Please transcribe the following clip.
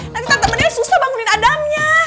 nanti tante menil susah bangunin adamnya